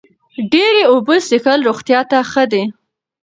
ډېرې اوبه څښل روغتیا ته ښه دي.